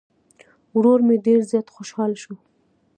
ورور مې ډير زيات خوشحاله شو